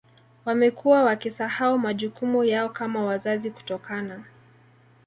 Wamekuwa wakisahau majukumu yao kama wazazi kutokana